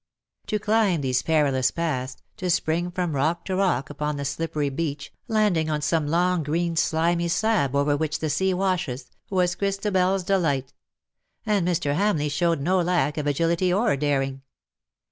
To climb these perilous paths, to spring from rock to rock upon the slippery beach, landing on some long green slimy slab over which the sea washes, was Christabers delight — and Mr. Hamleigh showed no lack of agility or daring.